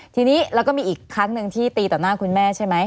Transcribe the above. ทีนี้แล้วก็มีอีกครั้งหนึ่งที่ตีต่อหน้าคุณแม่ใช่ไหม